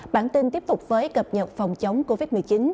bản tin tiếp tục với cập nhật phòng chống covid một mươi chín